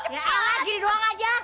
ya elah gini doang aja